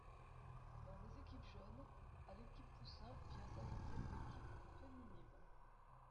Dans les équipes Jeunes, à l'équipe Poussins vient s'ajouter une équipe Préminimes.